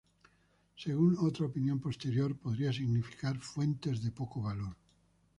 Según otra opinión posterior, podría significar "fuentes de poco valor".